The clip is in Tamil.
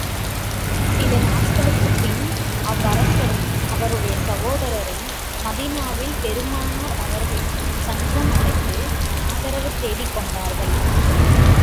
சில நாட்களுக்குப் பின், அவ்வரசரும், அவருடைய சகோதரரும் மதீனாவில் பெருமானார் அவர்களிடம் தஞ்சம் அடைந்து, ஆதரவு தேடிக் கொண்டார்கள்.